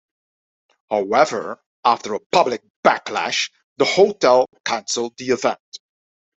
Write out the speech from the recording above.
However, after a public backlash, the hotel cancelled the event.